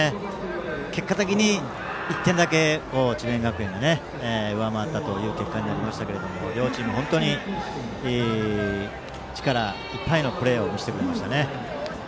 結果的に１点だけ智弁学園が上回ったという結果でしたが両チーム、本当に力いっぱいのプレーを見せてくれましたね。